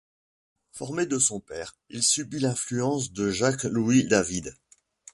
Formé par son père, il subit l'influence de Jacques-Louis David.